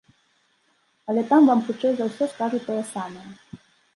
Але там вам хутчэй за ўсё скажуць тое самае.